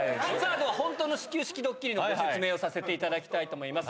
では本当の始球式ドッキリの説明をさせていただきたいと思います。